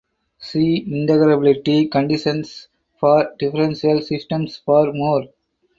See integrability conditions for differential systems for more.